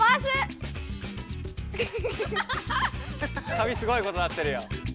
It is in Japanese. かみすごいことになってるよ。